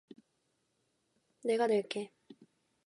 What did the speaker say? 내가 낼게.